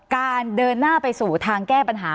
การเดินหน้าไปสู่ทางแก้ปัญหา